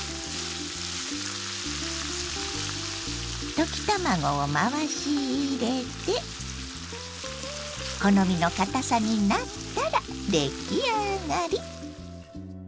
溶き卵を回し入れて好みのかたさになったら出来上がり！